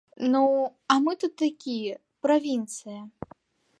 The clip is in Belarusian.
Ну, а мы тут такія, правінцыя.